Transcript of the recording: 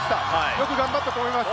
よく頑張ったと思います。